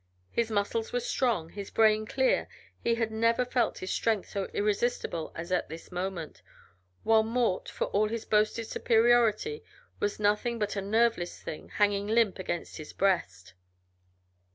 His muscles were strong, his brain clear, he had never felt his strength so irresistible as at this moment, while Mort, for all his boasted superiority, was nothing but a nerveless thing hanging limp against his breast.